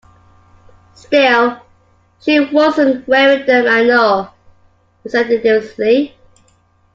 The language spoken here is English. "Still, she was not wearing them, I know," he said decisively.